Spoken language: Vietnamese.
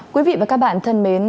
quý vị và các bạn thân mến